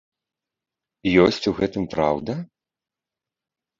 Ёсць у гэтым праўда?